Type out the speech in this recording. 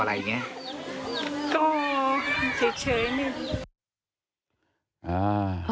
อะไรอย่างเนี่ยก็เฉยนึง